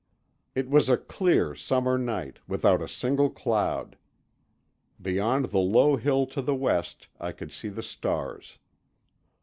It was a clear summer night, without a single cloud. Beyond the low hill to the west I could see the stars.